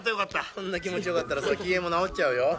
こんな気持ち良かったらさ機嫌も直っちゃうよ。